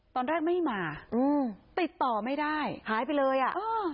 ตอนแรกไม่มาอืมติดต่อไม่ได้หายไปเลยอ่ะอ่า